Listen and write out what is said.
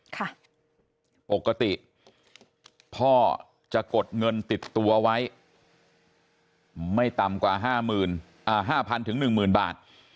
ปกติพ่อจะกดเงินติดตัวไว้ไม่ต่ำกว่า๕๐๐๐๑๐๐๐๐บาท